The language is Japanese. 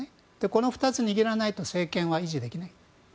この２つを握らないと政権は維持できない。